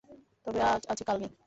তবে আজ আছি কাল নেই।